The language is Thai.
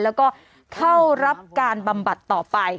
แล้วก็เข้ารับการบำบัดต่อไป